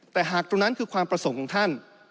แต่หากตรงนั้นคือความประสงค์ของท่าน